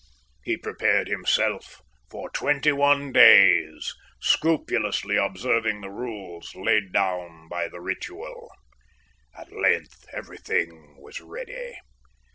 He prepared himself for twenty one days, scrupulously observing the rules laid down by the Ritual. At length everything was ready.